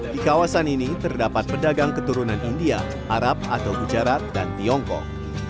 di kawasan ini terdapat pedagang keturunan india arab atau ujarat dan tiongkok